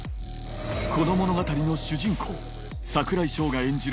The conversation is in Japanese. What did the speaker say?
この物語の主人公櫻井翔が演じる